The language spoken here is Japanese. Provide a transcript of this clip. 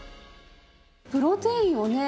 プロテインをね